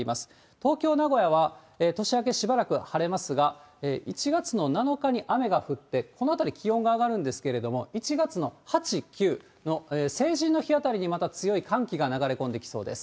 東京、名古屋は年明けしばらく晴れますが、１月の７日に雨が降って、このあたり気温が上がるんですけれども、１月の８、９の成人の日あたりにまた強い寒気が流れ込んできそうです。